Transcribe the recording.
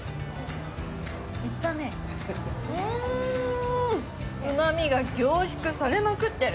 うん、うまみが凝縮されまくってる。